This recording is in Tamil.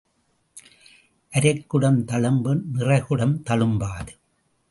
அரைக்குடம் தளும்பும் நிறைகுடம் தளும்பாது.